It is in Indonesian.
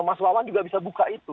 mas wawan juga bisa buka itu